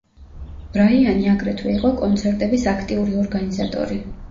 ბრაიანი აგრეთვე იყო კონცერტების აქტიური ორგანიზატორი.